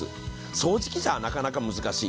掃除機じゃなかなか難しい。